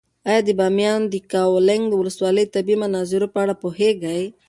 ایا د بامیانو د یکاولنګ ولسوالۍ د طبیعي مناظرو په اړه پوهېږې؟